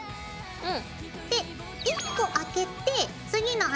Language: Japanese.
うん。